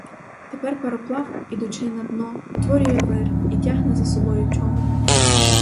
Тепер пароплав, ідучи на дно, утворює вир і тягне за собою човен.